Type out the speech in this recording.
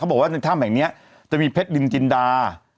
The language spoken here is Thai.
บอกว่าในถ้ำแห่งนี้จะมีเพชรดินจินดา